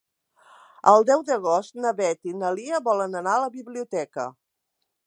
El deu d'agost na Beth i na Lia volen anar a la biblioteca.